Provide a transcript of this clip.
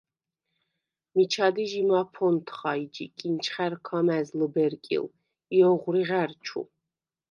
მიჩა დი ჟი მაფონთხა ი ჯი კინჩხა̈რქა მა̈ზ ლჷბერკილ ი ოღვრი ღა̈რჩუ.